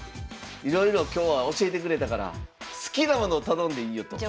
いろいろ今日は教えてくれたから好きなものを頼んでいいよ」と。